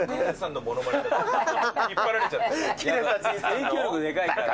影響力でかいから。